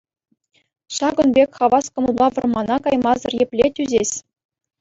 Ҫакӑн пек хавас кӑмӑлпа вӑрмана каймасӑр епле тӳсес!